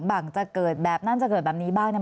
บังจะเกิดแบบนั้นจะเกิดแบบนี้บ้างเนี่ย